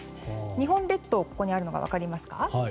日本列島があるのが分かりますか。